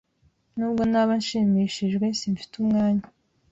Nubwo naba nshimishijwe, simfite umwanya.